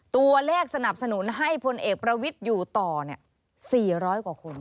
สนับสนุนให้พลเอกประวิทย์อยู่ต่อ๔๐๐กว่าคน